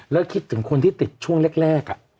แล้วคิดถึงคนที่ติดช่วงแรก